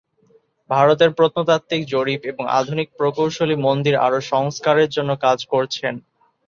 ভারতের প্রত্নতাত্ত্বিক জরিপ এবং আধুনিক প্রকৌশলী মন্দির আরও সংস্কারের জন্য কাজ করছেন।